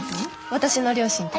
私の両親と。